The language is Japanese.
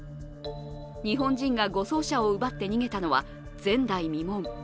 日本人が護送車を奪って逃げたのは前代未聞。